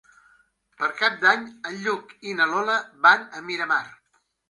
Per Cap d'Any en Lluc i na Lola van a Miramar.